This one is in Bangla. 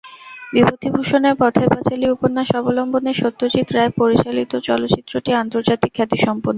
বিভূতিভূষণের পথের পাঁচালী উপন্যাস অবলম্বনে সত্যজিৎ রায় পরিচালিত চলচ্চিত্রটি আন্তর্জাতিক খ্যাতিসম্পন্ন।